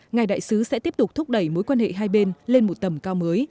ngài đại sứ sẽ tiếp tục thúc đẩy mối quan hệ hai bên lên một tầm cao mới